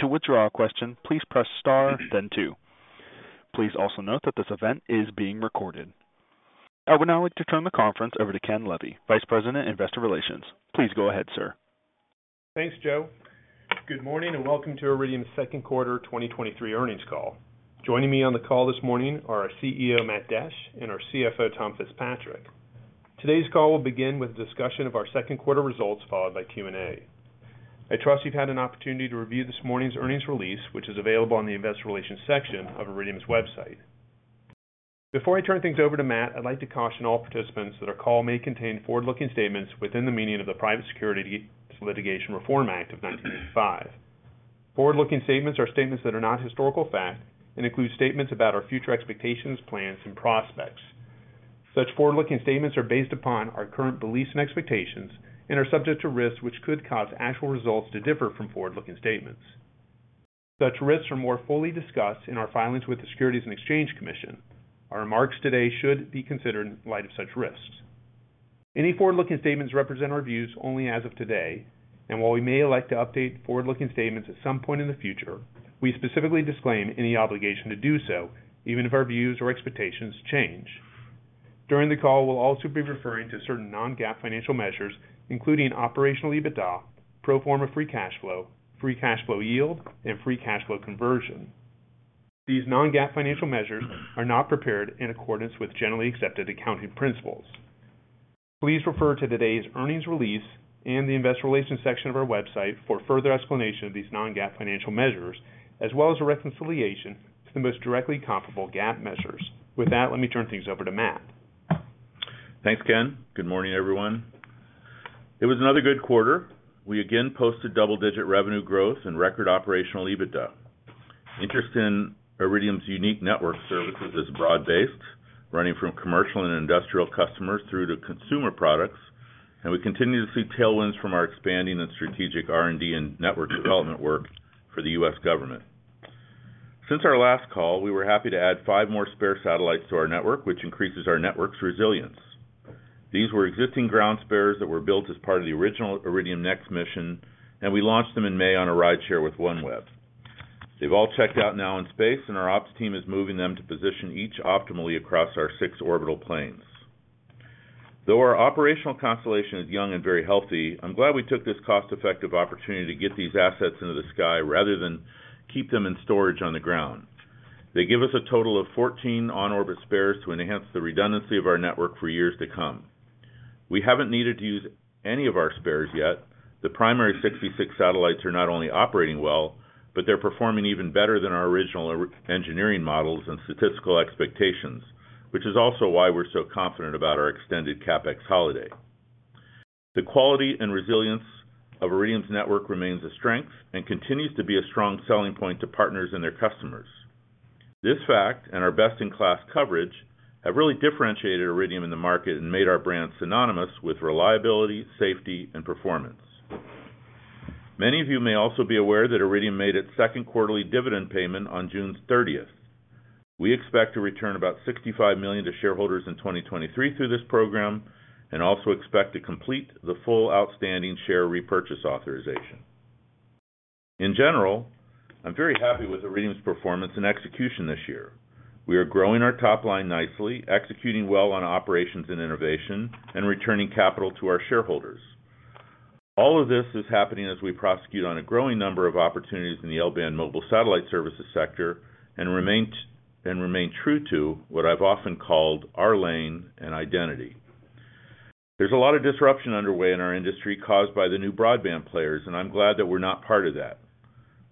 To withdraw a question, please press star, then two. Please also note that this event is being recorded. I would now like to turn the conference over to Ken Levy, Vice President, Investor Relations. Please go ahead, sir. Thanks, Joe. Good morning, welcome to Iridium's Second Quarter 2023 Earnings Call. Joining me on the call this morning are our CEO, Matt Desch, and our CFO, Tom Fitzpatrick. Today's call will begin with a discussion of our second quarter results, followed by Q&A. I trust you've had an opportunity to review this morning's earnings release, which is available on the investor relations section of Iridium's website. Before I turn things over to Matt, I'd like to caution all participants that our call may contain forward-looking statements within the meaning of the Private Securities Litigation Reform Act of 1995. Forward-looking statements are statements that are not historical fact and include statements about our future expectations, plans, and prospects. Such forward-looking statements are based upon our current beliefs and expectations and are subject to risks which could cause actual results to differ from forward-looking statements. Such risks are more fully discussed in our filings with the Securities and Exchange Commission. Our remarks today should be considered in light of such risks. Any forward-looking statements represent our views only as of today, and while we may elect to update forward-looking statements at some point in the future, we specifically disclaim any obligation to do so, even if our views or expectations change. During the call, we'll also be referring to certain non-GAAP financial measures, including operational EBITDA, pro forma free cash flow, free cash flow yield, and free cash flow conversion. These non-GAAP financial measures are not prepared in accordance with generally accepted accounting principles. Please refer to today's earnings release and the investor relations section of our website for further explanation of these non-GAAP financial measures, as well as a reconciliation to the most directly comparable GAAP measures. With that, let me turn things over to Matt. Thanks, Ken. Good morning, everyone. It was another good quarter. We again posted double-digit revenue growth and record operational EBITDA. Interest in Iridium's unique network services is broad-based, running from commercial and industrial customers through to consumer products. We continue to see tailwinds from our expanding and strategic R&D and network development work for the U.S. government. Since our last call, we were happy to add five more spare satellites to our network, which increases our network's resilience. These were existing ground spares that were built as part of the original Iridium NEXT mission, and we launched them in May on a rideshare with OneWeb. They've all checked out now in space. Our ops team is moving them to position each optimally across our six orbital planes. Our operational constellation is young and very healthy, I'm glad we took this cost-effective opportunity to get these assets into the sky rather than keep them in storage on the ground. They give us a total of 14 on-orbit spares to enhance the redundancy of our network for years to come. We haven't needed to use any of our spares yet. The primary 66 satellites are not only operating well, but they're performing even better than our original engineering models and statistical expectations, which is also why we're so confident about our extended CapEx holiday. The quality and resilience of Iridium's network remains a strength and continues to be a strong selling point to partners and their customers. This fact, and our best-in-class coverage, have really differentiated Iridium in the market and made our brand synonymous with reliability, safety, and performance. Many of you may also be aware that Iridium made its second quarterly dividend payment on June 30th. We expect to return about $65 million to shareholders in 2023 through this program and also expect to complete the full outstanding share repurchase authorization. In general, I'm very happy with Iridium's performance and execution this year. We are growing our top line nicely, executing well on operations and innovation, and returning capital to our shareholders. All of this is happening as we prosecute on a growing number of opportunities in the L-band mobile satellite services sector and remain true to what I've often called our lane and identity. There's a lot of disruption underway in our industry caused by the new broadband players, and I'm glad that we're not part of that.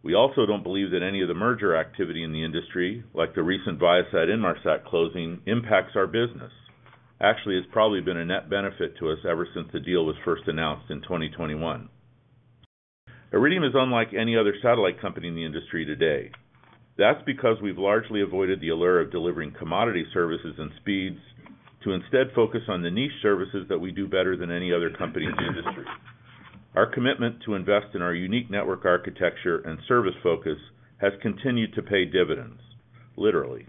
We also don't believe that any of the merger activity in the industry, like the recent Viasat, Inmarsat closing, impacts our business. Actually, it's probably been a net benefit to us ever since the deal was first announced in 2021. Iridium is unlike any other satellite company in the industry today. That's because we've largely avoided the allure of delivering commodity services and speeds to instead focus on the niche services that we do better than any other company in the industry. Our commitment to invest in our unique network architecture and service focus has continued to pay dividends, literally.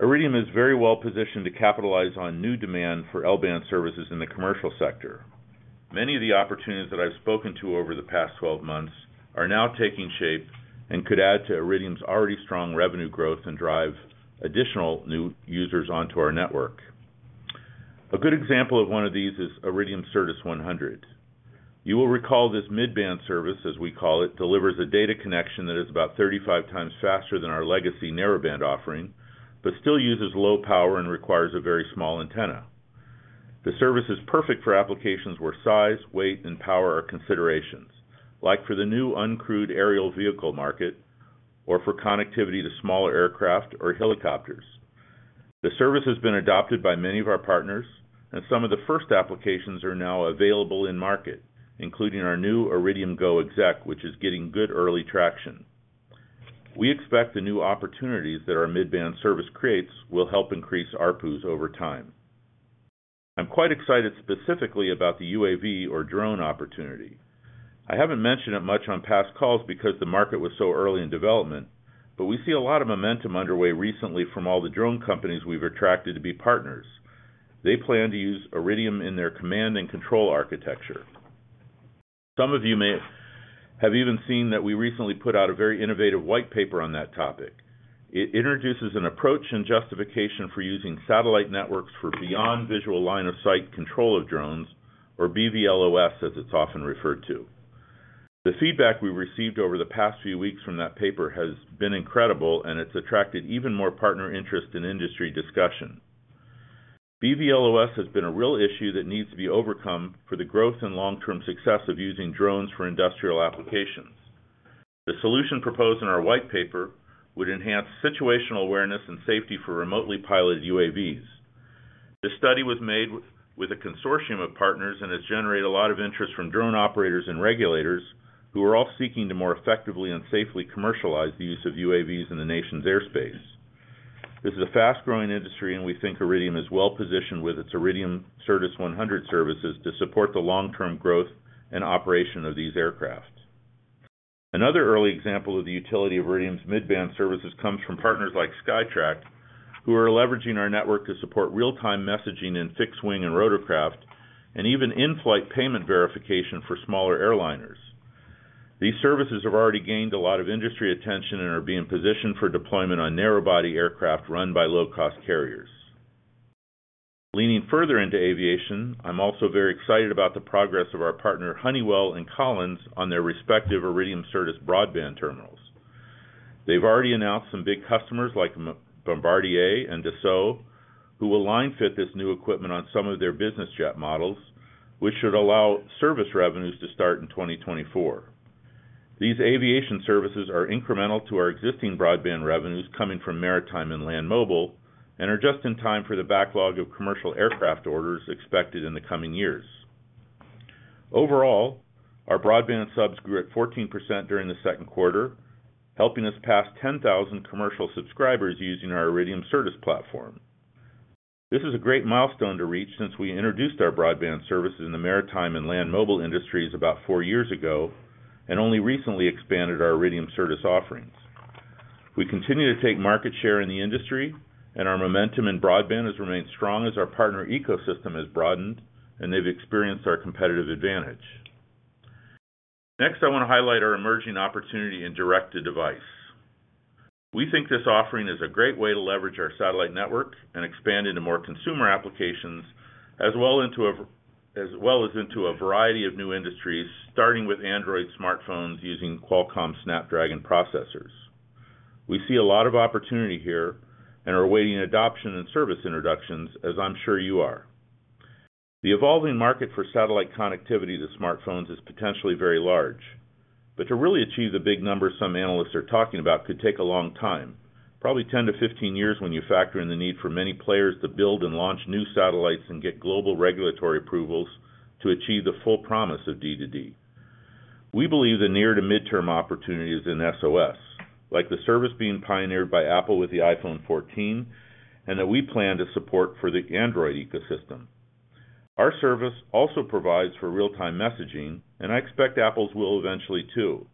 Iridium is very well positioned to capitalize on new demand for L-band services in the commercial sector. Many of the opportunities that I've spoken to over the past 12 months are now taking shape and could add to Iridium's already strong revenue growth and drive additional new users onto our network. A good example of one of these is Iridium Certus 100. You will recall this mid-band service, as we call it, delivers a data connection that is about 35 times faster than our legacy narrowband offering, but still uses low power and requires a very small antenna. The service is perfect for applications where size, weight, and power are considerations, like for the new uncrewed aerial vehicle market or for connectivity to smaller aircraft or helicopters. The service has been adopted by many of our partners, and some of the first applications are now available in market, including our new Iridium GO! exec, which is getting good early traction. We expect the new opportunities that our midband service creates will help increase ARPUs over time. I'm quite excited specifically about the UAV or drone opportunity. I haven't mentioned it much on past calls because the market was so early in development, but we see a lot of momentum underway recently from all the drone companies we've attracted to be partners. They plan to use Iridium in their command and control architecture. Some of you may have even seen that we recently put out a very innovative white paper on that topic. It introduces an approach and justification for using satellite networks for beyond visual line of sight control of drones, or BVLOS, as it's often referred to. The feedback we've received over the past few weeks from that paper has been incredible, and it's attracted even more partner interest and industry discussion. BVLOS has been a real issue that needs to be overcome for the growth and long-term success of using drones for industrial applications. The solution proposed in our white paper would enhance situational awareness and safety for remotely piloted UAVs. This study was made with a consortium of partners and has generated a lot of interest from drone operators and regulators, who are all seeking to more effectively and safely commercialize the use of UAVs in the nation's airspace. This is a fast-growing industry, we think Iridium is well-positioned with its Iridium Certus 100 services to support the long-term growth and operation of these aircrafts. Another early example of the utility of Iridium's midband services comes from partners like SKYTRAC, who are leveraging our network to support real-time messaging in fixed wing and rotorcraft, and even in-flight payment verification for smaller airliners. These services have already gained a lot of industry attention and are being positioned for deployment on narrow-body aircraft run by low-cost carriers. Leaning further into aviation, I'm also very excited about the progress of our partner, Honeywell and Collins, on their respective Iridium Certus broadband terminals. They've already announced some big customers like Bombardier and Dassault, who will line-fit this new equipment on some of their business jet models, which should allow service revenues to start in 2024. These aviation services are incremental to our existing broadband revenues coming from maritime and land mobile, and are just in time for the backlog of commercial aircraft orders expected in the coming years. Overall, our broadband subs grew at 14% during the second quarter, helping us pass 10,000 commercial subscribers using our Iridium Certus platform. This is a great milestone to reach since we introduced our broadband services in the maritime and land mobile industries about four years ago, and only recently expanded our Iridium Certus offerings. We continue to take market share in the industry, and our momentum in broadband has remained strong as our partner ecosystem has broadened, and they've experienced our competitive advantage. Next, I want to highlight our emerging opportunity in direct-to-device. We think this offering is a great way to leverage our satellite network and expand into more consumer applications, as well as into a variety of new industries, starting with Android smartphones using Qualcomm Snapdragon processors. We see a lot of opportunity here and are awaiting adoption and service introductions, as I'm sure you are. The evolving market for satellite connectivity to smartphones is potentially very large. To really achieve the big numbers some analysts are talking about could take a long time, probably 10-15 years, when you factor in the need for many players to build and launch new satellites and get global regulatory approvals to achieve the full promise of D2D. We believe the near to midterm opportunity is in SOS, like the service being pioneered by Apple with the iPhone 14, and that we plan to support for the Android ecosystem. Our service also provides for real-time messaging. I expect Apple's will eventually, too.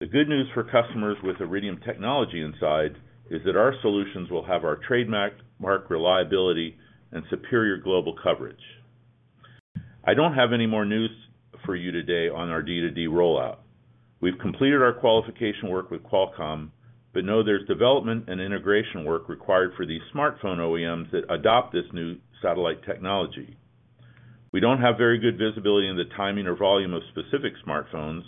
The good news for customers with Iridium technology inside is that our solutions will have our trademarked mark reliability and superior global coverage. I don't have any more news for you today on our D2D rollout. We've completed our qualification work with Qualcomm. Know there's development and integration work required for these smartphone OEMs that adopt this new satellite technology. We don't have very good visibility into the timing or volume of specific smartphones.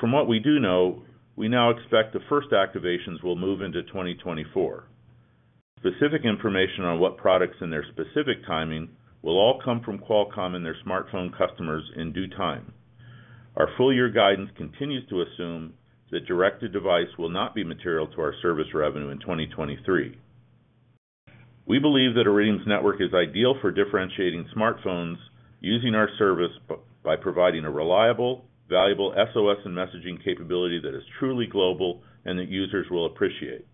From what we do know, we now expect the first activations will move into 2024. Specific information on what products and their specific timing will all come from Qualcomm and their smartphone customers in due time. Our full year guidance continues to assume that direct-to-device will not be material to our service revenue in 2023. We believe that Iridium's network is ideal for differentiating smartphones using our service by providing a reliable, valuable SOS and messaging capability that is truly global and that users will appreciate.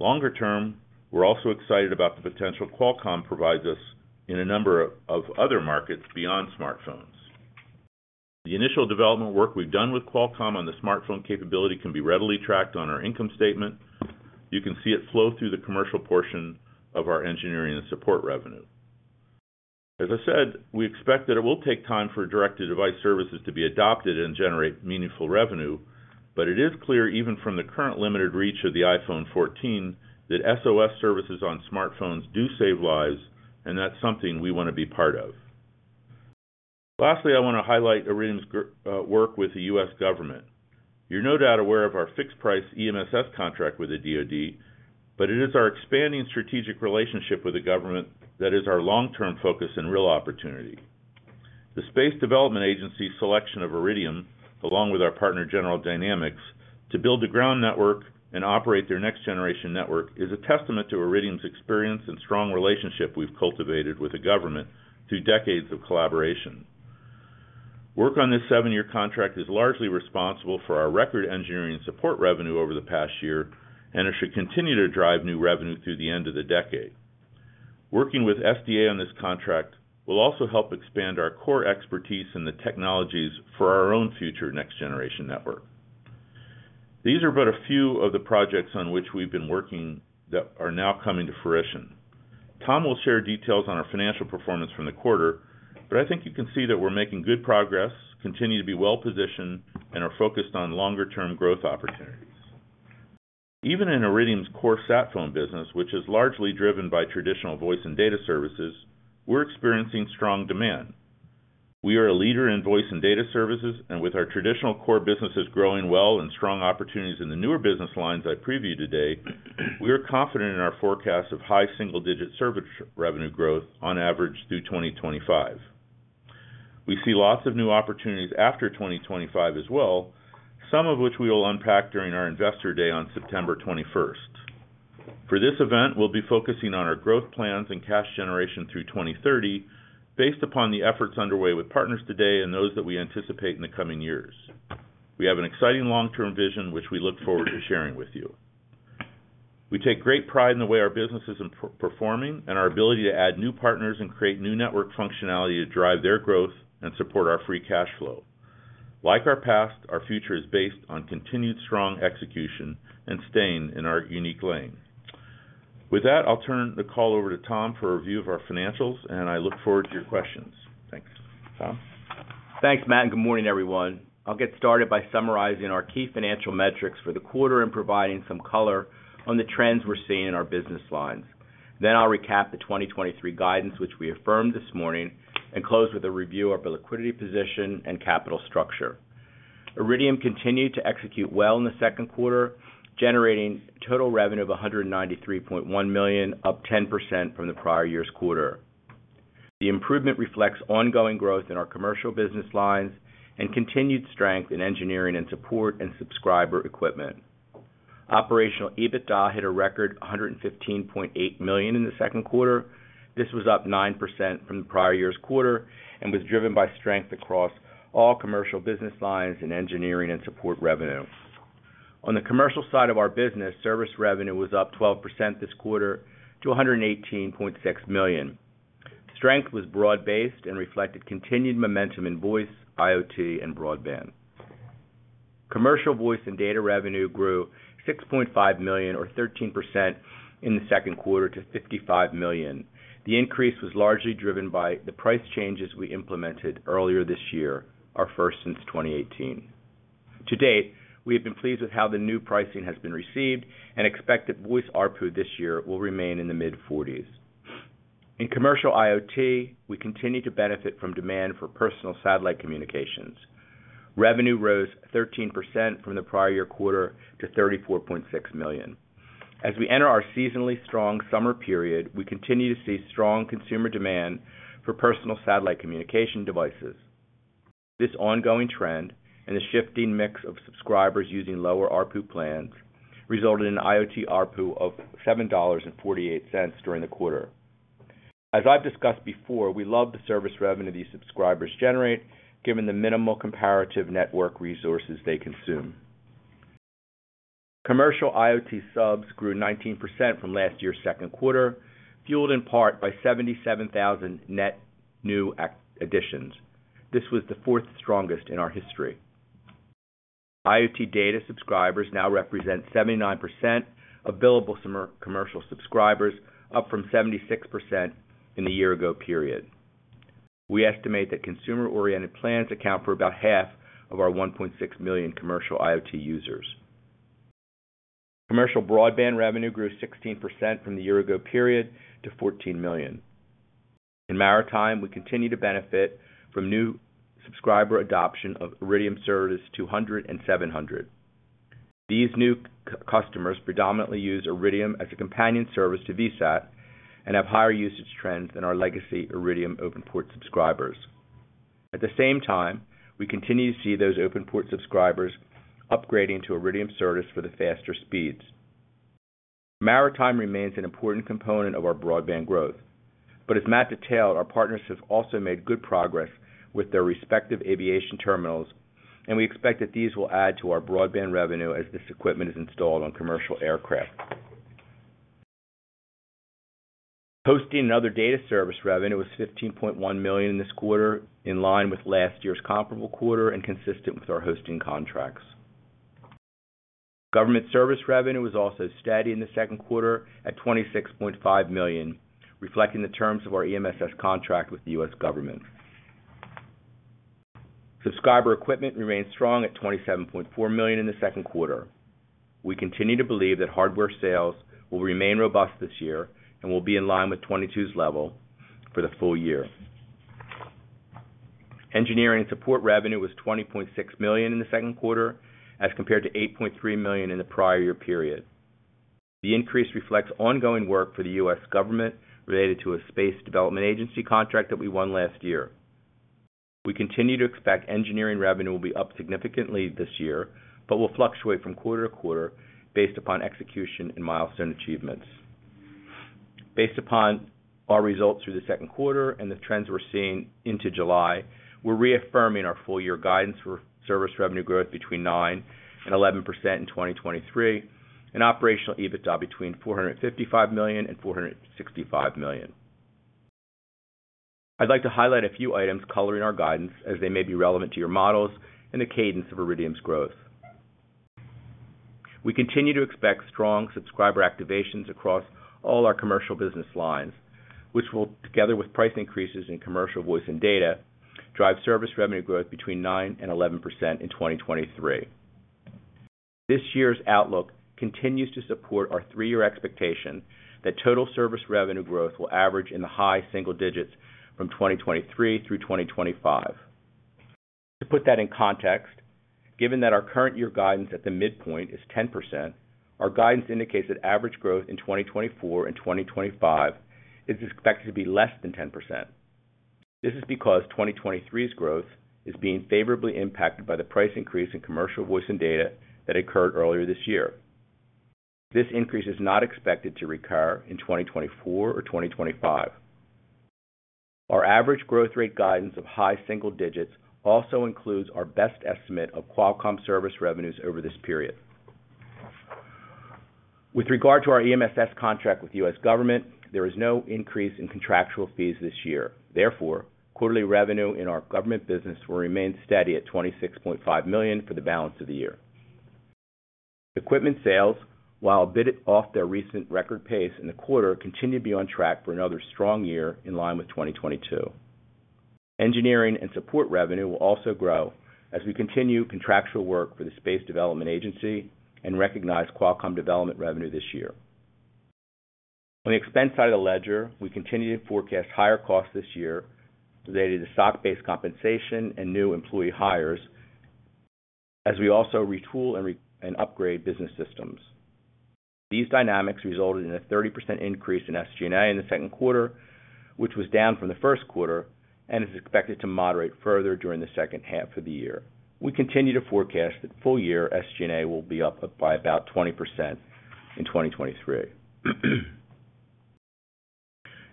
Longer term, we're also excited about the potential Qualcomm provides us in a number of other markets beyond smartphones. The initial development work we've done with Qualcomm on the smartphone capability can be readily tracked on our income statement. You can see it flow through the commercial portion of our engineering and support revenue. As I said, we expect that it will take time for direct-to-device services to be adopted and generate meaningful revenue, but it is clear, even from the current limited reach of the iPhone 14, that SOS services on smartphones do save lives, and that's something we want to be part of. Lastly, I want to highlight Iridium's work with the U.S. government. You're no doubt aware of our fixed price EMSS contract with the DoD, but it is our expanding strategic relationship with the government that is our long-term focus and real opportunity. The Space Development Agency's selection of Iridium, along with our partner, General Dynamics, to build the ground network and operate their next generation network, is a testament to Iridium's experience and strong relationship we've cultivated with the government through decades of collaboration. Work on this seven-year contract is largely responsible for our record engineering and support revenue over the past year, and it should continue to drive new revenue through the end of the decade. Working with SDA on this contract will also help expand our core expertise in the technologies for our own future next-generation network. These are but a few of the projects on which we've been working that are now coming to fruition. Tom will share details on our financial performance from the quarter, but I think you can see that we're making good progress, continue to be well-positioned, and are focused on longer-term growth opportunities. Even in Iridium's core sat phone business, which is largely driven by traditional voice and data services, we're experiencing strong demand. We are a leader in voice and data services. With our traditional core businesses growing well and strong opportunities in the newer business lines I previewed today, we are confident in our forecast of high single-digit service revenue growth on average through 2025. We see lots of new opportunities after 2025 as well, some of which we will unpack during our Investor Day on September 21st. For this event, we'll be focusing on our growth plans and cash generation through 2030, based upon the efforts underway with partners today and those that we anticipate in the coming years. We have an exciting long-term vision, which we look forward to sharing with you. We take great pride in the way our business is performing, and our ability to add new partners and create new network functionality to drive their growth and support our free cash flow. Like our past, our future is based on continued strong execution and staying in our unique lane. With that, I'll turn the call over to Tom for a review of our financials, and I look forward to your questions. Thanks. Tom? Thanks, Matt. Good morning, everyone. I'll get started by summarizing our key financial metrics for the quarter and providing some color on the trends we're seeing in our business lines. I'll recap the 2023 guidance, which we affirmed this morning, and close with a review of the liquidity position and capital structure. Iridium continued to execute well in the second quarter, generating total revenue of $193.1 million, up 10% from the prior year's quarter. The improvement reflects ongoing growth in our commercial business lines and continued strength in engineering and support and subscriber equipment. Operational EBITDA hit a record $115.8 million in the second quarter. This was up 9% from the prior year's quarter and was driven by strength across all commercial business lines and engineering and support revenue. On the commercial side of our business, service revenue was up 12% this quarter to $118.6 million. Strength was broad-based and reflected continued momentum in voice, IoT, and broadband. Commercial voice and data revenue grew $6.5 million, or 13%, in the second quarter to $55 million. The increase was largely driven by the price changes we implemented earlier this year, our first since 2018. To date, we have been pleased with how the new pricing has been received and expect that voice ARPU this year will remain in the mid-40s. In commercial IoT, we continue to benefit from demand for personal satellite communications. Revenue rose 13% from the prior year quarter to $34.6 million. As we enter our seasonally strong summer period, we continue to see strong consumer demand for personal satellite communication devices. This ongoing trend and the shifting mix of subscribers using lower ARPU plans, resulted in an IoT ARPU of $7.48 during the quarter. As I've discussed before, we love the service revenue these subscribers generate, given the minimal comparative network resources they consume. Commercial IoT subs grew 19% from last year's second quarter, fueled in part by 77,000 net new act additions. This was the fourth strongest in our history. IoT data subscribers now represent 79% of billable commercial subscribers, up from 76% in the year-ago period. We estimate that consumer-oriented plans account for about half of our 1.6 million commercial IoT users. Commercial broadband revenue grew 16% from the year-ago period to $14 million. In maritime, we continue to benefit from new subscriber adoption of Iridium Certus 200 and 700. These new customers predominantly use Iridium as a companion service to VSAT and have higher usage trends than our legacy Iridium OpenPort subscribers. At the same time, we continue to see those OpenPort subscribers upgrading to Iridium Certus for the faster speeds. Maritime remains an important component of our broadband growth. As Matt detailed, our partners have also made good progress with their respective aviation terminals, and we expect that these will add to our broadband revenue as this equipment is installed on commercial aircraft. Hosting and other data service revenue was $15.1 million in this quarter, in line with last year's comparable quarter and consistent with our hosting contracts. Government service revenue was also steady in the second quarter at $26.5 million, reflecting the terms of our EMSS contract with the U.S. government. Subscriber equipment remained strong at $27.4 million in the second quarter. We continue to believe that hardware sales will remain robust this year, will be in line with 2022's level for the full year. Engineering and support revenue was $20.6 million in the second quarter, as compared to $8.3 million in the prior year period. The increase reflects ongoing work for the U.S. government related to a Space Development Agency contract that we won last year. We continue to expect engineering revenue will be up significantly this year, but will fluctuate from quarter to quarter based upon execution and milestone achievements. Based upon our results through the second quarter and the trends we're seeing into July, we're reaffirming our full year guidance for service revenue growth between 9% and 11% in 2023, and operational EBITDA between $455 million and $465 million. I'd like to highlight a few items coloring our guidance as they may be relevant to your models and the cadence of Iridium's growth. We continue to expect strong subscriber activations across all our commercial business lines, which will, together with price increases in commercial voice and data, drive service revenue growth between 9% and 11% in 2023. This year's outlook continues to support our three-year expectation that total service revenue growth will average in the high single digits from 2023 through 2025. To put that in context, given that our current year guidance at the midpoint is 10%, our guidance indicates that average growth in 2024 and 2025 is expected to be less than 10%. This is because 2023's growth is being favorably impacted by the price increase in commercial voice and data that occurred earlier this year. This increase is not expected to recur in 2024 or 2025. Our average growth rate guidance of high single digits also includes our best estimate of Qualcomm service revenues over this period. With regard to our EMSS contract with U.S. government, there is no increase in contractual fees this year. Therefore, quarterly revenue in our government business will remain steady at $26.5 million for the balance of the year. Equipment sales, while a bit off their recent record pace in the quarter, continue to be on track for another strong year in line with 2022. Engineering and support revenue will also grow as we continue contractual work for the Space Development Agency and recognize Qualcomm development revenue this year. On the expense side of the ledger, we continue to forecast higher costs this year related to stock-based compensation and new employee hires, as we also retool and upgrade business systems. These dynamics resulted in a 30% increase in SG&A in the second quarter, which was down from the first quarter and is expected to moderate further during the second half of the year. We continue to forecast that full-year SG&A will be up by about 20% in 2023.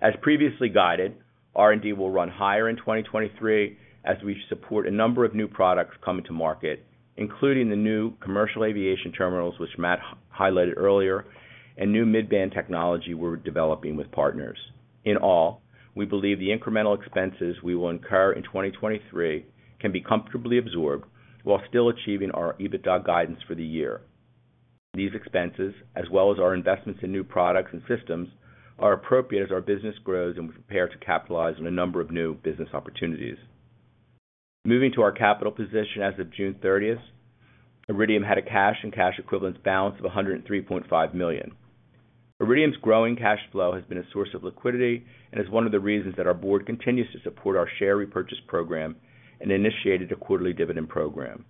As previously guided, R&D will run higher in 2023 as we support a number of new products coming to market, including the new commercial aviation terminals, which Matt highlighted earlier, and new mid-band technology we're developing with partners. In all, we believe the incremental expenses we will incur in 2023 can be comfortably absorbed while still achieving our EBITDA guidance for the year. These expenses, as well as our investments in new products and systems, are appropriate as our business grows and we prepare to capitalize on a number of new business opportunities. Moving to our capital position as of June 30th, Iridium had a cash and cash equivalents balance of $103.5 million. Iridium's growing cash flow has been a source of liquidity and is one of the reasons that our board continues to support our share repurchase program and initiated a quarterly dividend program.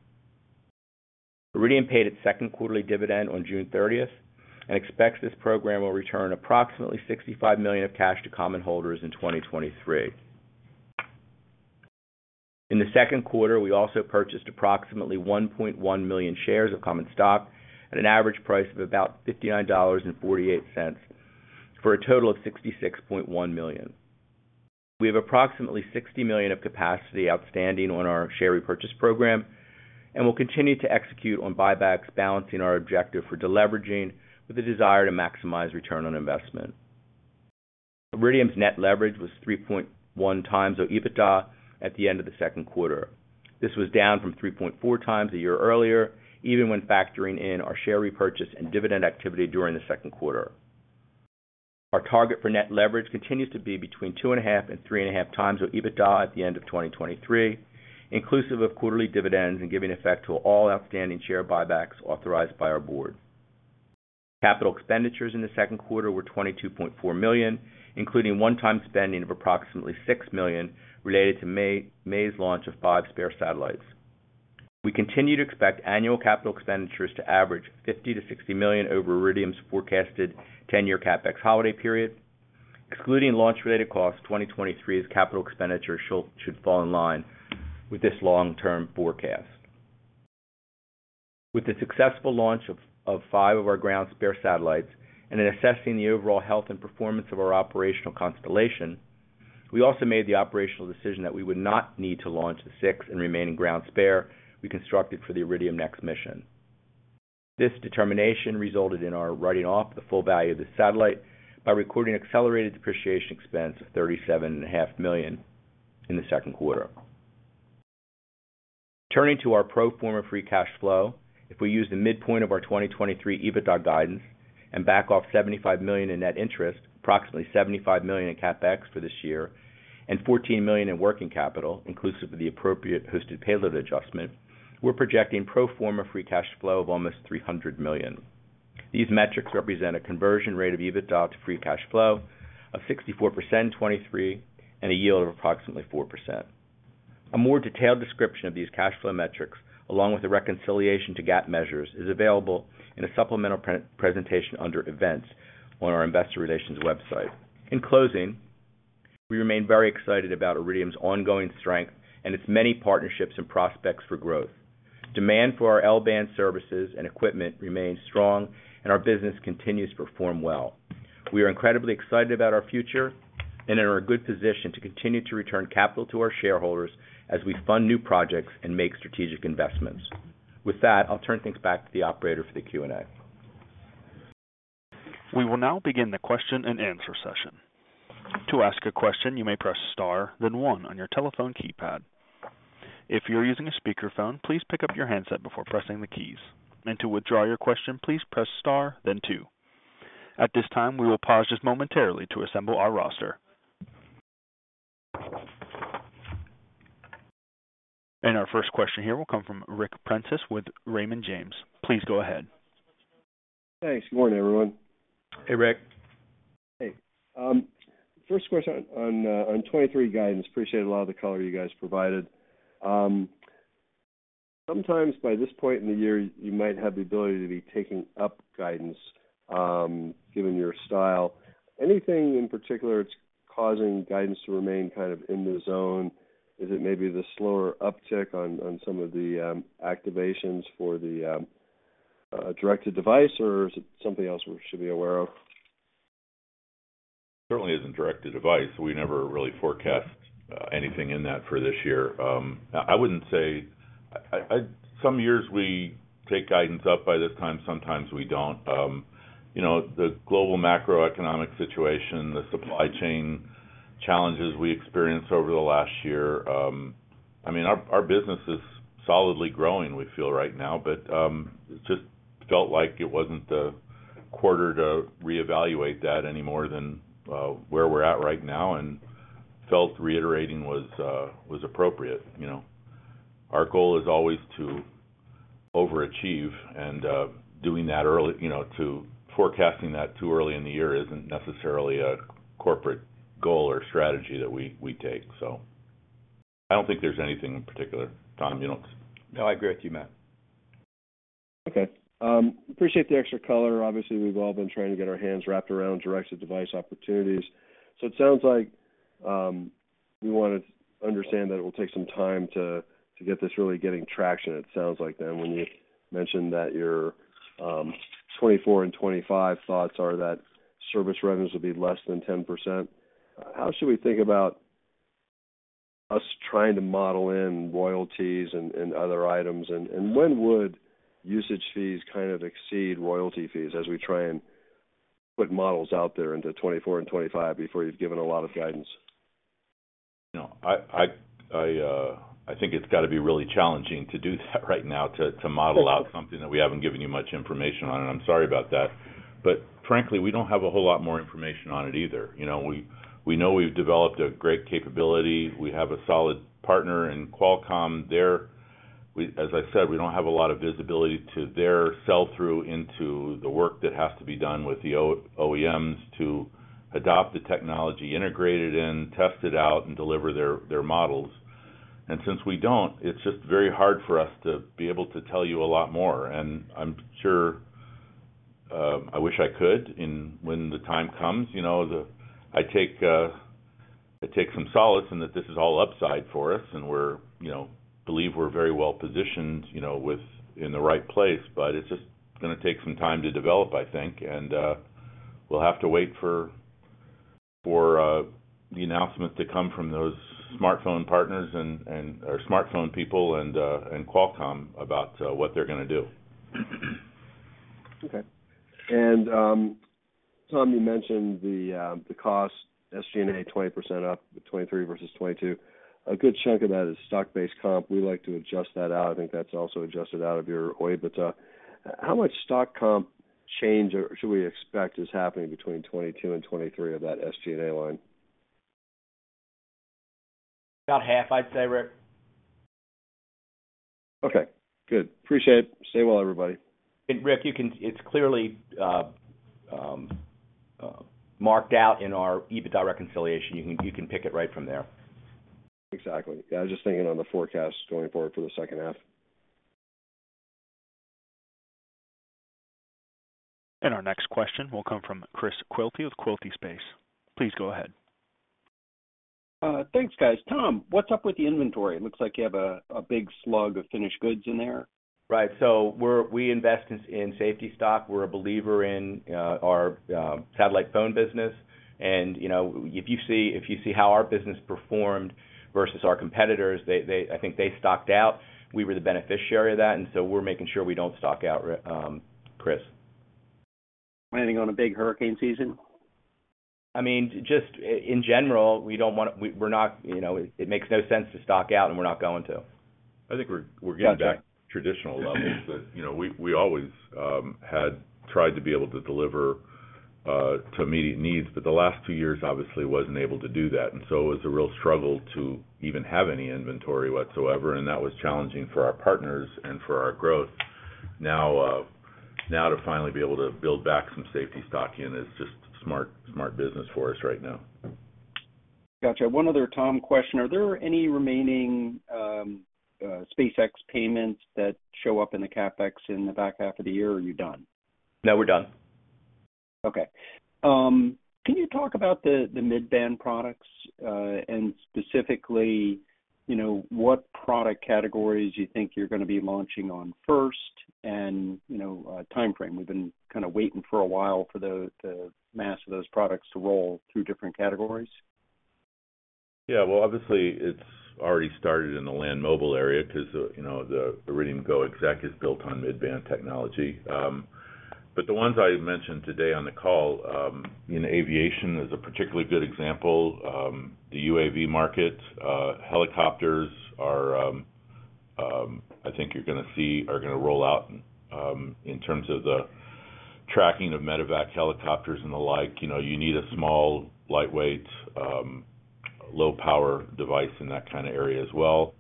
Iridium paid its second quarterly dividend on June 30th and expects this program will return approximately $65 million of cash to common holders in 2023. In the second quarter, we also purchased approximately 1.1 million shares of common stock at an average price of about $59.48, for a total of $66.1 million. We have approximately $60 million of capacity outstanding on our share repurchase program and will continue to execute on buybacks, balancing our objective for deleveraging with the desire to maximize return on investment. Iridium's net leverage was 3.1 times our EBITDA at the end of the second quarter. This was down from 3.4 times a year earlier, even when factoring in our share repurchase and dividend activity during the second quarter. Our target for net leverage continues to be between 2.5 and 3.5 times our EBITDA at the end of 2023, inclusive of quarterly dividends and giving effect to all outstanding share buybacks authorized by our board. Capital expenditures in the second quarter were $22.4 million, including one-time spending of approximately $6 million, related to May's launch of five spare satellites. We continue to expect annual capital expenditures to average $50 million-$60 million over Iridium's forecasted 10-year CapEx holiday period. Excluding launch-related costs, 2023's capital expenditures should fall in line with this long-term forecast. With the successful launch of five of our ground spare satellites and in assessing the overall health and performance of our operational constellation, we also made the operational decision that we would not need to launch the sixth and remaining ground spare we constructed for the Iridium NEXT mission. This determination resulted in our writing off the full value of the satellite by recording accelerated depreciation expense of thirty-seven and a half million in the second quarter. Turning to our pro forma free cash flow, if we use the midpoint of our 2023 EBITDA guidance and back off $75 million in net interest, approximately $75 million in CapEx for this year, and $14 million in working capital, inclusive of the appropriate hosted payload adjustment, we're projecting pro forma free cash flow of almost $300 million. These metrics represent a conversion rate of EBITDA to free cash flow of 64% in 2023, and a yield of approximately 4%. A more detailed description of these cash flow metrics, along with the reconciliation to GAAP measures, is available in a supplemental pre- presentation under Events on our investor relations website. In closing, we remain very excited about Iridium's ongoing strength and its many partnerships and prospects for growth. Demand for our L-band services and equipment remains strong, and our business continues to perform well. We are incredibly excited about our future and are in a good position to continue to return capital to our shareholders as we fund new projects and make strategic investments. With that, I'll turn things back to the operator for the Q&A. We will now begin the question-and-answer session. To ask a question, you may press star, then one on your telephone keypad. If you're using a speakerphone, please pick up your handset before pressing the keys. To withdraw your question, please press star, then two. At this time, we will pause just momentarily to assemble our roster. Our first question here will come from Ric Prentiss with Raymond James. Please go ahead. Thanks. Good morning, everyone. Hey, Ric. Hey, first question on 23 guidance. Appreciate a lot of the color you guys provided. Sometimes by this point in the year, you might have the ability to be taking up guidance, given your style. Anything in particular that's causing guidance to remain kind of in the zone? Is it maybe the slower uptick on some of the activations for the direct-to-device, or is it something else we should be aware of? Certainly isn't direct-to-device. We never really forecast anything in that for this year. Some years we take guidance up by this time, sometimes we don't. You know, the global macroeconomic situation, the supply chain challenges we experienced over the last year, I mean, our business is solidly growing, we feel right now, but it just felt like it wasn't the quarter to reevaluate that any more than where we're at right now, and felt reiterating was appropriate, you know. Our goal is always to overachieve, doing that early, you know, to forecasting that too early in the year isn't necessarily a corporate goal or strategy that we take. I don't think there's anything in particular. Tom, you know. No, I agree with you, Matt. Okay. Appreciate the extra color. Obviously, we've all been trying to get our hands wrapped around direct-to-device opportunities. It sounds like we wanna understand that it will take some time to get this really getting traction, it sounds like, then when you mentioned that your 2024 and 2025 thoughts are that service revenues will be less than 10%. How should we think about us trying to model in royalties and other items? When would usage fees kind of exceed royalty fees as we try and put models out there into 2024 and 2025 before you've given a lot of guidance? You know, I think it's gotta be really challenging to do that right now, to model out something that we haven't given you much information on, and I'm sorry about that. Frankly, we don't have a whole lot more information on it either. You know, we know we've developed a great capability. We have a solid partner in Qualcomm. We, as I said, we don't have a lot of visibility to their sell-through into the work that has to be done with the OEMs to adopt the technology, integrate it in, test it out, and deliver their models. Since we don't, it's just very hard for us to be able to tell you a lot more. I'm sure, I wish I could when the time comes. You know, the... I take some solace in that this is all upside for us, and we're, you know, believe we're very well positioned, you know, with in the right place, but it's just gonna take some time to develop, I think. We'll have to wait for the announcements to come from those smartphone partners and, or smartphone people and Qualcomm about, what they're gonna do. Okay. Tom, you mentioned the cost, SG&A, 20% up to 2023 versus 2022. A good chunk of that is stock-based comp. We like to adjust that out. I think that's also adjusted out of your OIBDA. How much stock comp change or should we expect is happening between 2022 and 2023 of that SG&A line? About half, I'd say, Ric. Okay, good. Appreciate it. Stay well, everybody. Ric, you can. It's clearly marked out in our EBITDA reconciliation. You can pick it right from there. Exactly. I was just thinking on the forecast going forward for the second half. Our next question will come from Chris Quilty with Quilty Space. Please go ahead. Thanks, guys. Tom, what's up with the inventory? It looks like you have a big slug of finished goods in there. We invest in safety stock. We're a believer in our satellite phone business. You know, if you see how our business performed versus our competitors, they, I think they stocked out. We were the beneficiary of that. We're making sure we don't stock out, Rick, Chris. Planning on a big hurricane season? I mean, just in general, we're not, you know, it makes no sense to stock out, and we're not going to. I think we're getting back traditional levels that, you know, we always had tried to be able to deliver to immediate needs, but the last two years, obviously, wasn't able to do that. It was a real struggle to even have any inventory whatsoever, and that was challenging for our partners and for our growth. To finally be able to build back some safety stock in is just smart business for us right now. Gotcha. One other, Tom, question: Are there any remaining SpaceX payments that show up in the CapEx in the back half of the year, or are you done? No, we're done. Okay. Can you talk about the midband products, and specifically, you know, what product categories you think you're gonna be launching on first and, you know, timeframe? We've been kind of waiting for a while for the mass of those products to roll through different categories. Yeah, well, obviously, it's already started in the land mobile area because the, you know, the Iridium GO! exec is built on midband technology. The ones I mentioned today on the call, in aviation is a particularly good example. The UAV market, helicopters are, I think you're gonna see are gonna roll out, in terms of the tracking of medevac helicopters and the like. You know, you need a small, lightweight, low-power device in that kind of area as well.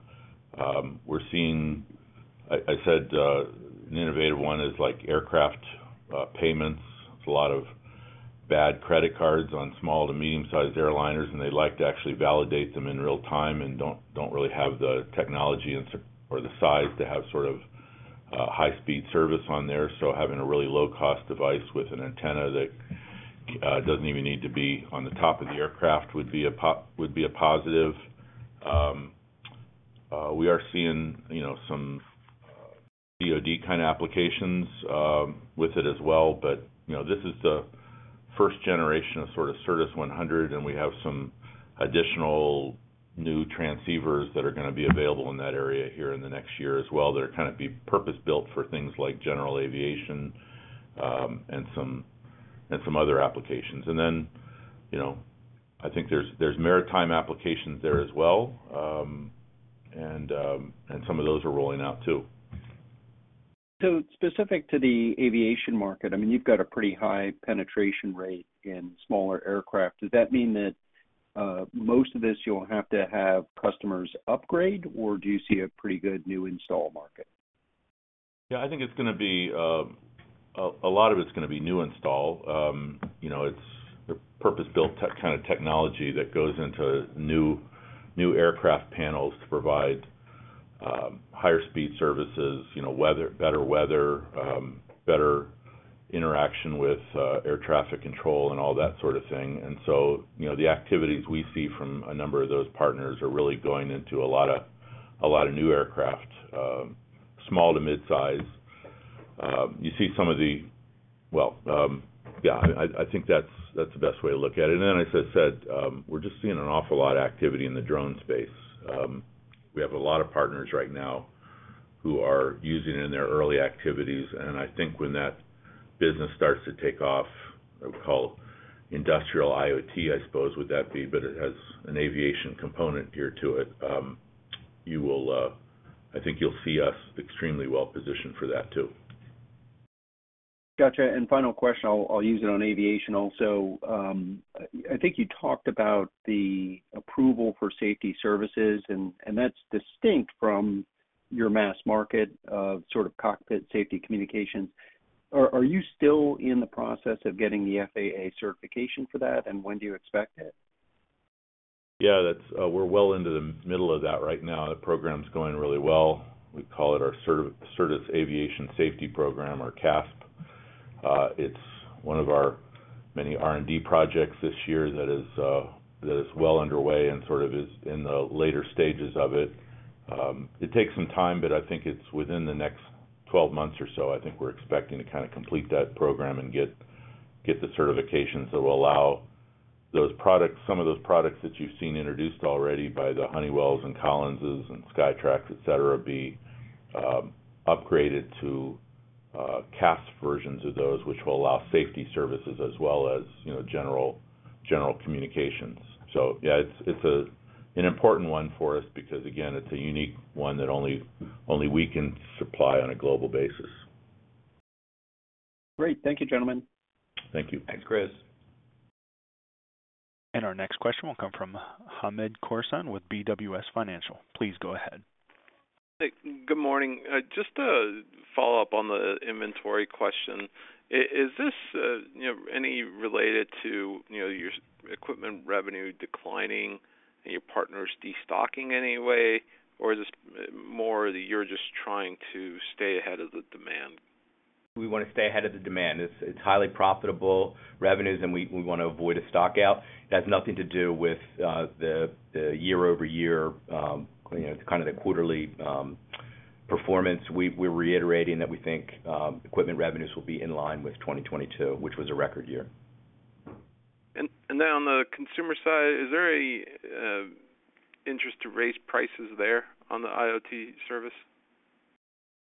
I said an innovative one is like aircraft payments. There's a lot of bad credit cards on small to medium-sized airliners, and they like to actually validate them in real time and don't really have the technology or the size to have sort of high-speed service on there. Having a really low-cost device with an antenna that doesn't even need to be on the top of the aircraft would be a positive. We are seeing, you know, some DoD kind of applications with it as well. You know, this is the first generation of sort of Iridium Certus 100, and we have some additional new transceivers that are gonna be available in that area here in the next year as well. They're kind of be purpose-built for things like general aviation, and some, and some other applications. You know, I think there's maritime applications there as well, and some of those are rolling out, too. Specific to the aviation market, I mean, you've got a pretty high penetration rate in smaller aircraft. Does that mean that most of this, you'll have to have customers upgrade, or do you see a pretty good new install market? Yeah, I think it's gonna be a lot of it's gonna be new install. you know, it's a purpose-built kind of technology that goes into new aircraft panels to provide higher speed services, you know, weather, better weather, better interaction with air traffic control and all that sort of thing. you know, the activities we see from a number of those partners are really going into a lot of new aircraft, small to mid-size. you see some of the... Well, yeah, I think that's the best way to look at it. as I said, we're just seeing an awful lot of activity in the drone space. We have a lot of partners right now who are using it in their early activities. I think when that business starts to take off, I would call industrial IoT, I suppose, would that be. It has an aviation component here to it. You will, I think you'll see us extremely well positioned for that too. Gotcha. Final question, I'll use it on aviation also. I think you talked about the approval for safety services, and that's distinct from your mass market of sort of cockpit safety communications. Are you still in the process of getting the FAA certification for that, and when do you expect it? That's we're well into the middle of that right now. The program is going really well. We call it our Certus Aviation Safety Program or CASP. It's one of our many R&D projects this year that is well underway and sort of is in the later stages of it. It takes some time, but I think it's within the next 12 months or so. I think we're expecting to kinda complete that program and get the certifications that will allow those products, some of those products that you've seen introduced already by the Honeywells and Collins's and SKYTRAC, et cetera, be upgraded to CASP versions of those, which will allow safety services as well as, you know, general communications. Yeah, it's a, an important one for us because, again, it's a unique one that only we can supply on a global basis. Great. Thank you, gentlemen. Thank you. Thanks, Chris. Our next question will come from Hamed Khorsand with BWS Financial. Please go ahead. Hey, good morning. Just to follow up on the inventory question, is this, you know, any related to, you know, your equipment revenue declining and your partners destocking in any way? Is this more that you're just trying to stay ahead of the demand? We want to stay ahead of the demand. It's highly profitable revenues, and we want to avoid a stock out. It has nothing to do with the year-over-year, you know, kind of the quarterly performance. We're reiterating that we think equipment revenues will be in line with 2022, which was a record year. Then on the consumer side, is there any interest to raise prices there on the IoT service?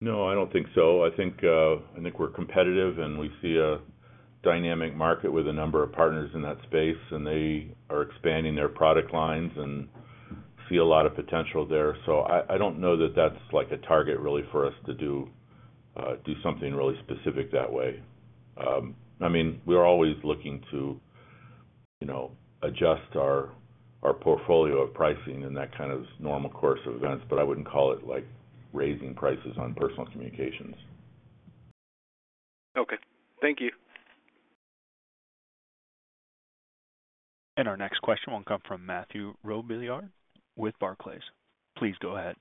No, I don't think so. I think, I think we're competitive, and we see a dynamic market with a number of partners in that space, and they are expanding their product lines and see a lot of potential there. I don't know that that's like a target really for us to do something really specific that way. I mean, we are always looking to, you know, adjust our portfolio of pricing and that kind of normal course of events, but I wouldn't call it like raising prices on personal communications. Okay. Thank you. Our next question will come from Mathieu Robilliard with Barclays. Please go ahead.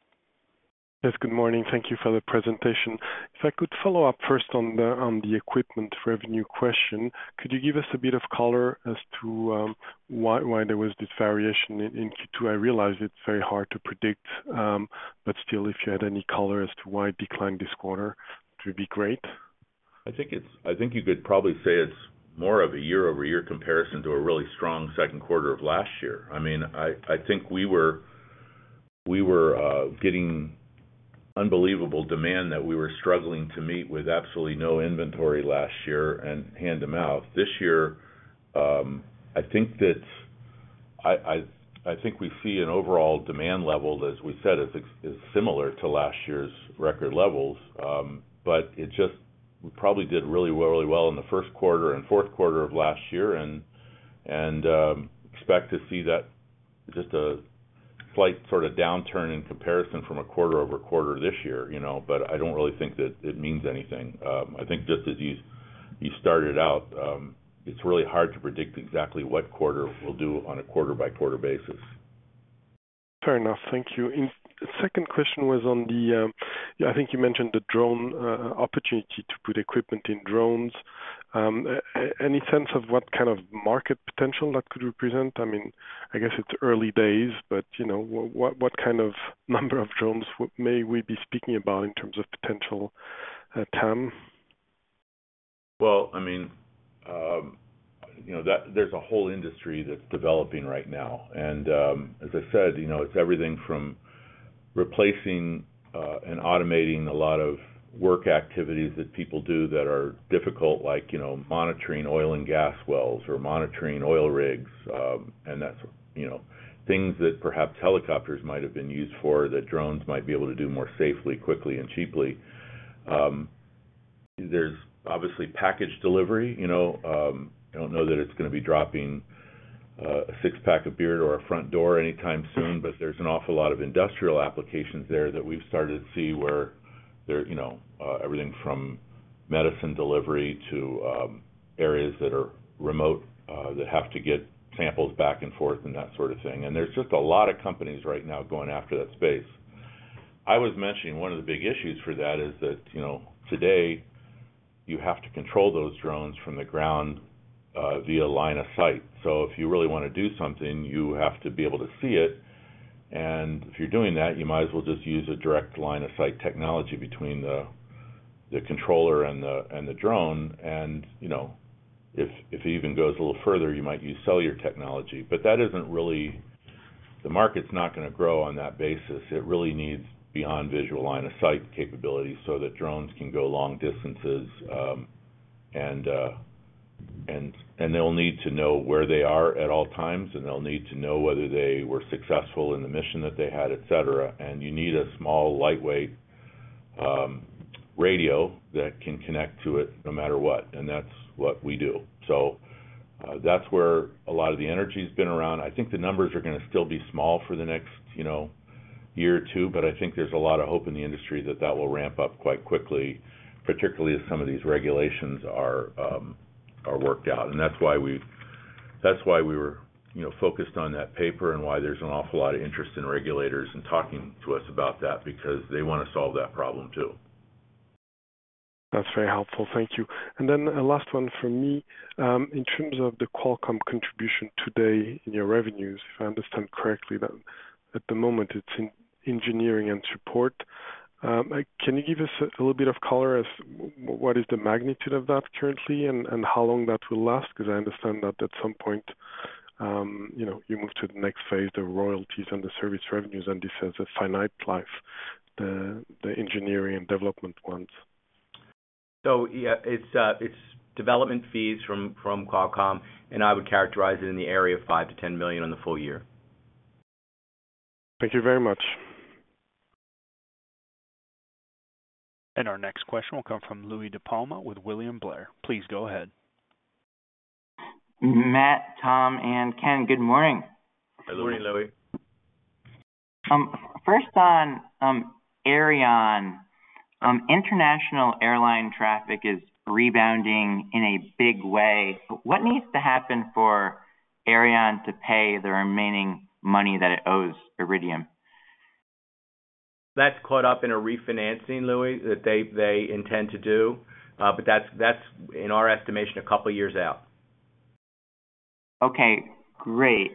Yes, good morning. Thank you for the presentation. If I could follow up first on the equipment revenue question, could you give us a bit of color as to why there was this variation in Q2? I realize it's very hard to predict, but still, if you had any color as to why it declined this quarter, it would be great. I think you could probably say it's more of a year-over-year comparison to a really strong second quarter of last year. I mean, I think we were getting unbelievable demand that we were struggling to meet with absolutely no inventory last year, and hand them out. This year, I think that I think we see an overall demand level, as we said, is similar to last year's record levels. We probably did really well in the first quarter and fourth quarter of last year, and expect to see that just a slight sort of downturn in comparison from a quarter-over-quarter this year, you know, I don't really think that it means anything. I think just as you started out, it's really hard to predict exactly what quarter we'll do on a quarter-by-quarter basis. Fair enough. Thank you. Second question was on the, I think you mentioned the drone opportunity to put equipment in drones. Any sense of what kind of market potential that could represent? I mean, I guess it's early days, but, you know, what kind of number of drones would may we be speaking about in terms of potential TAM? Well, I mean, you know, there's a whole industry that's developing right now, and, as I said, you know, it's everything from replacing and automating a lot of work activities that people do that are difficult, like, you know, monitoring oil and gas wells or monitoring oil rigs. That's, you know, things that perhaps helicopters might have been used for, that drones might be able to do more safely, quickly, and cheaply. There's obviously package delivery, you know. I don't know that it's gonna be dropping a six-pack of beer at our front door anytime soon, but there's an awful lot of industrial applications there that we've started to see where there, you know, everything from medicine delivery to areas that are remote that have to get samples back and forth and that sort of thing. There's just a lot of companies right now going after that space. I was mentioning, one of the big issues for that is that, you know, today, you have to control those drones from the ground, via line of sight. If you really want to do something, you have to be able to see it, and if you're doing that, you might as well just use a direct line-of-sight technology between the controller and the drone. You know, if it even goes a little further, you might use cellular technology. That isn't really. The market's not gonna grow on that basis. It really needs beyond visual line of sight capabilities, so that drones can go long distances, and they'll need to know where they are at all times, and they'll need to know whether they were successful in the mission that they had, et cetera. You need a small, lightweight radio that can connect to it no matter what, and that's what we do. That's where a lot of the energy's been around. I think the numbers are gonna still be small for the next, you know, year or two, but I think there's a lot of hope in the industry that that will ramp up quite quickly, particularly as some of these regulations are worked out. That's why we were, you know, focused on that paper and why there's an awful lot of interest in regulators in talking to us about that, because they want to solve that problem, too. That's very helpful. Thank you. Then a last one from me. In terms of the Qualcomm contribution today in your revenues, if I understand correctly, that at the moment, it's in engineering and support. Can you give us a little bit of color as what is the magnitude of that currently and how long that will last? I understand that at some point, you know, you move to the next phase, the royalties and the service revenues, and this has a finite life, the engineering and development ones. Yeah, it's development fees from Qualcomm, and I would characterize it in the area of $5 million-$10 million on the full year. Thank you very much. Our next question will come from Louie DiPalma with William Blair. Please go ahead. Matt, Tom, and Ken, good morning. Good morning, Louie. First on Aireon. International airline traffic is rebounding in a big way. What needs to happen for Aireon to pay the remaining money that it owes Iridium? That's caught up in a refinancing, Louie, that they intend to do, but that's in our estimation, a couple of years out. Okay, great.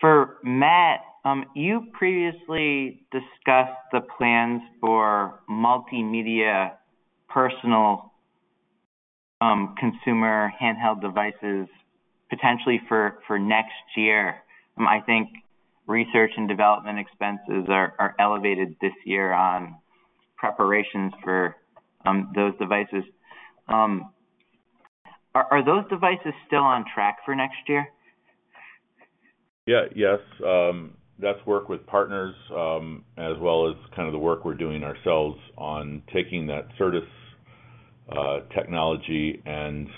For Matt, you previously discussed the plans for multimedia personal, consumer handheld devices, potentially for next year. I think research and development expenses are elevated this year on preparations for those devices. Are those devices still on track for next year? Yeah. Yes, that's work with partners, as well as kind of the work we're doing ourselves on taking that Certus technology and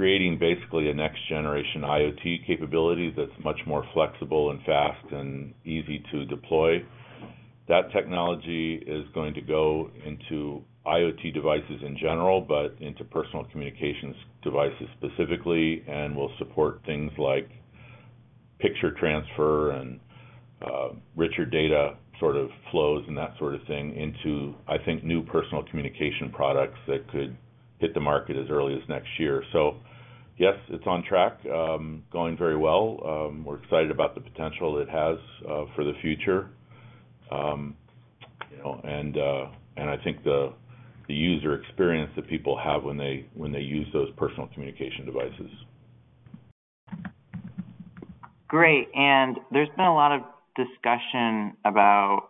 creating basically a next-generation IoT capability that's much more flexible and fast and easy to deploy. That technology is going to go into IoT devices in general, but into personal communications devices specifically, and will support things like picture transfer and richer data sort of flows, and that sort of thing, into, I think, new personal communication products that could hit the market as early as next year. Yes, it's on track, going very well. We're excited about the potential it has for the future. You know, and I think the user experience that people have when they use those personal communication devices. Great. There's been a lot of discussion about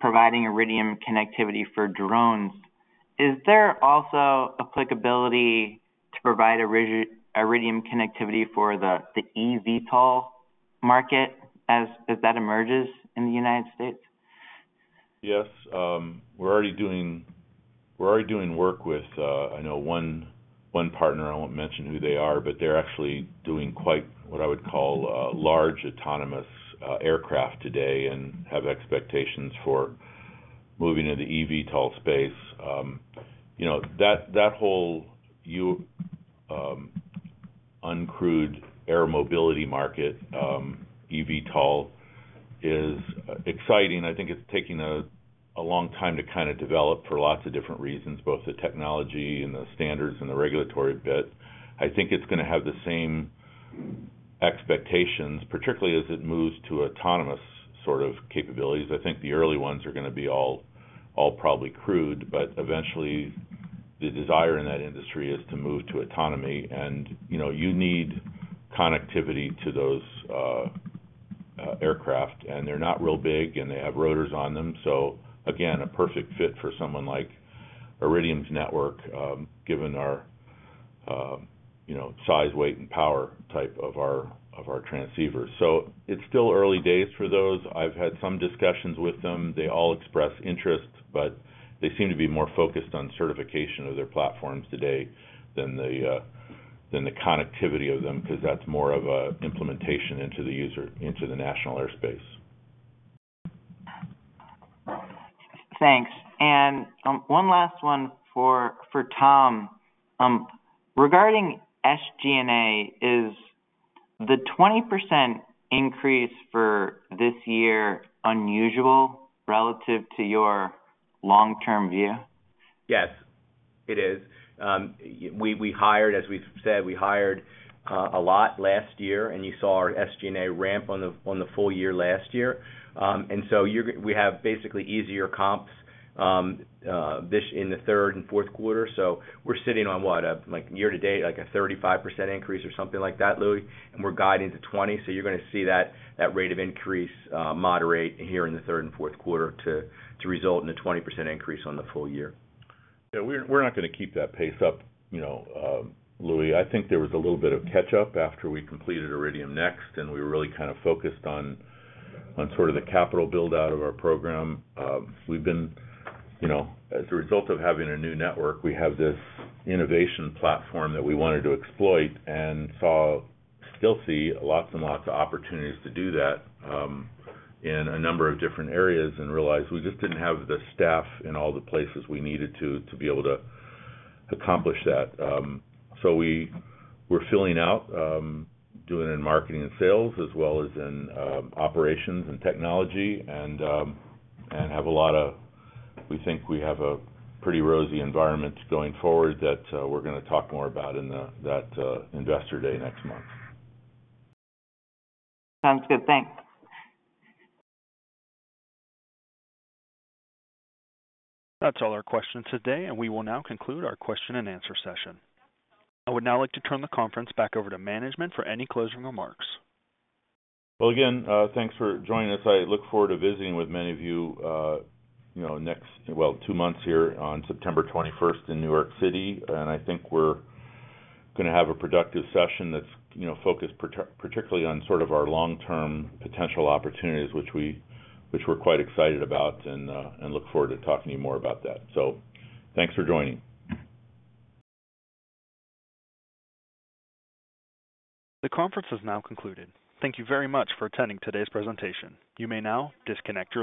providing Iridium connectivity for drones. Is there also applicability to provide Iridium connectivity for the eVTOL market as that emerges in the United States? Yes. We're already doing, we're already doing work with, I know one partner, I won't mention who they are, but they're actually doing quite, what I would call, a large autonomous aircraft today, and have expectations for moving into the eVTOL space. You know, that whole uncrewed air mobility market, eVTOL, is exciting. I think it's taking a long time to kind of develop for lots of different reasons, both the technology and the standards and the regulatory bit. I think it's gonna have the same expectations, particularly as it moves to autonomous sort of capabilities. I think the early ones are gonna be all probably crewed, but eventually, the desire in that industry is to move to autonomy, and, you know, you need connectivity to those aircraft. They're not real big, and they have rotors on them, again, a perfect fit for someone like Iridium's network, given our, you know, size, weight, and power type of our, of our transceivers. It's still early days for those. I've had some discussions with them. They all express interest, but they seem to be more focused on certification of their platforms today than the connectivity of them, 'cause that's more of a implementation into the national airspace. Thanks. One last one for Tom. Regarding SG&A, is the 20% increase for this year unusual relative to your long-term view? Yes, it is. We hired as we've said, we hired a lot last year, and you saw our SG&A ramp on the full year last year. We have basically easier comps this in the third and fourth quarter. We're sitting on what? Like year to date, like a 35% increase or something like that, Louie, and we're guiding to 20, you're gonna see that rate of increase moderate here in the third and fourth quarter to result in a 20% increase on the full year. Yeah, we're not gonna keep that pace up, you know, Louie. I think there was a little bit of catch-up after we completed Iridium NEXT, and we were really kind of focused on sort of the capital build-out of our program. We've been, you know, as a result of having a new network, we have this innovation platform that we wanted to exploit and saw, still see, lots and lots of opportunities to do that, in a number of different areas, and realized we just didn't have the staff in all the places we needed to be able to accomplish that. We're filling out, doing in marketing and sales, as well as in operations and technology, and have a lot of... We think we have a pretty rosy environment going forward that we're gonna talk more about that Investor Day, next month. Sounds good. Thanks. That's all our questions today. We will now conclude our question and answer session. I would now like to turn the conference back over to management for any closing remarks. Well, again, thanks for joining us. I look forward to visiting with many of you know, next, well, two months here, on September 21st in New York City. I think we're gonna have a productive session that's, you know, focused particularly on sort of our long-term potential opportunities, which we're quite excited about and look forward to talking to you more about that. Thanks for joining. The conference has now concluded. Thank you very much for attending today's presentation. You may now disconnect your lines.